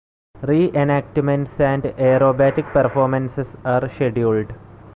Re-enactments and aerobatic performances are scheduled.